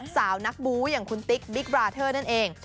สาวนักบูอย่างคุณติ๊กบิ๊กบราเทอร์นั่นเอง